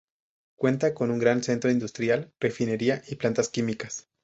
Cuenta con un gran centro industrial, refinería y plantas químicas.